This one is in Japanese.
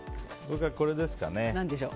僕は、これですね。